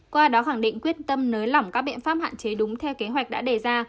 qua đó khẳng định quyết tâm nới lỏng các biện pháp hạn chế đúng theo kế hoạch đã đề ra